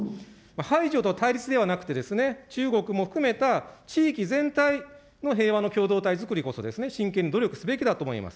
排除と対立ではなくてですね、中国も含めた地域全体の平和の共同体作りこそ、真剣に努力すべきだと思います。